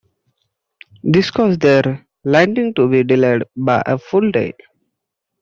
This caused their landing to be delayed by a full day.